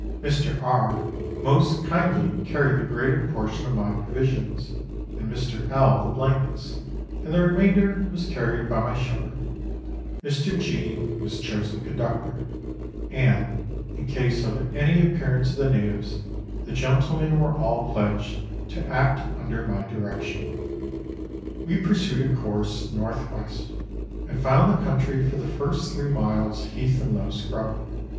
Mr.. R. most kindly carried the greater portion of my provisions,, and Mr. L. the blankets, and the remainder was carried by my shepherd. Mr. G. was chosen conductor ; and, in case of any appearance of the natives, the gentlemen were all pledged to act under my directions. ."284 Letters from Victorian Pioneers. We pursued a course N.W., and found the country for the first three miles heath and low scrub.